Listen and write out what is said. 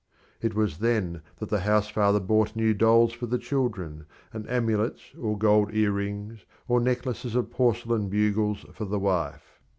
It was then that the house father bought new dolls for the children, and amulets or gold ear rings or necklaces of porcelain bugles for the wife.